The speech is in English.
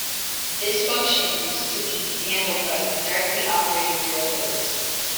This function used to be handled by Directly Operated Railways.